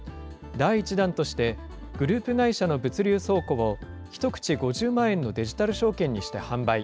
第１弾として、グループ会社の物流倉庫を、１口５０万円のデジタル証券にして販売。